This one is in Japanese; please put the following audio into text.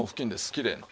きれいな。